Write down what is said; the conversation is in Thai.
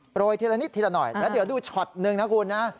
ทีละนิดทีละหน่อยแล้วเดี๋ยวดูช็อตหนึ่งนะคุณนะ